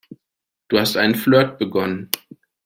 Du hast einen Flirt begonnen.